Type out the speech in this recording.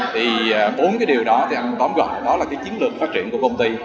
thì bốn cái điều đó thì anh tóm gọi là cái chiến lược phát triển của công ty